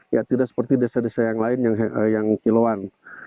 ya tidak seperti desa desa yang lain yang kiloan